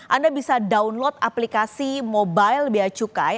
anda bisa download aplikasi mobile biaya cukai